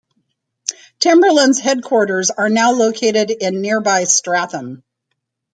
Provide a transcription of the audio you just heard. Timberland's headquarters are now located in nearby Stratham.